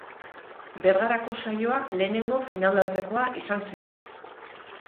Bergarako saioa lehenengo finalaurrekoa izan zen.